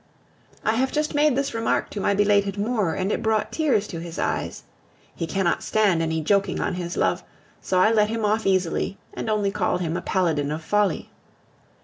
I have just made this remark to my belated Moor, and it brought tears to his eyes. He cannot stand any joking on his love, so I let him off easily, and only called him a paladin of folly.